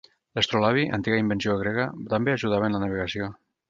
L'astrolabi, antiga invenció grega, també ajudava en la navegació.